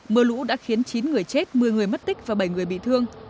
mưa lũ đã khiến chín người chết một mươi người mất tích và bảy người bị thương